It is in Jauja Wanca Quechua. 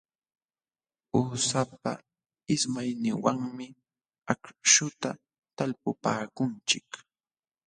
Uushapa ismayninwanmi akśhuta talpupaakunchik.